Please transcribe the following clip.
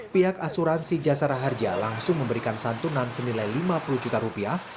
pihak asuransi jasara harja langsung memberikan santunan senilai lima puluh juta rupiah